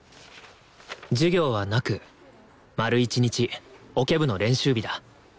授業はなく丸一日オケ部の練習日だ